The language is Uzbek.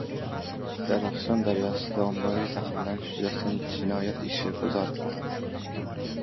Zarafshon daryosidagi ommaviy zaharlanish yuzasidan jinoyat ishi qo‘zg‘atildi